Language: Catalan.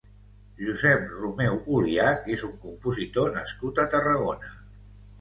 Josep Romeu Oliach és un compositor nascut a Tarragona.